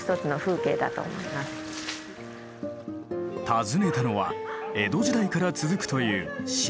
訪ねたのは江戸時代から続くという老舗の造り酒屋。